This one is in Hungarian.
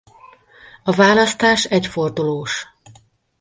A választás egyfordulós.